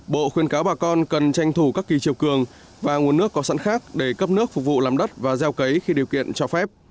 bộ khuyên cáo bà con cần tranh thủ các kỳ chiều cường và nguồn nước có sẵn khác để cấp nước phục vụ làm đất và gieo cấy khi điều kiện cho phép